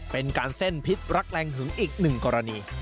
เป็นการเส้นพิษรักแรงหึงอีกหนึ่งกรณี